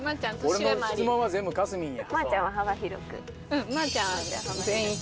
俺の質問は全部かすみんや。